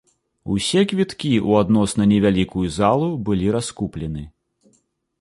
Усе квіткі ў адносна невялікую залу былы раскуплены.